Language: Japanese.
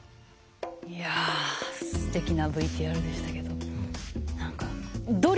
いやすてきなＶＴＲでしたけど。